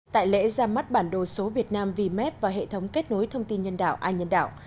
tại lễ ra mắt bản đồ số việt nam vep và hệ thống kết nối thông tin nhân đạo ai nhân đạo